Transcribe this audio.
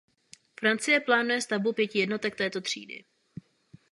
Francie plánuje stavbu pěti jednotek této třídy.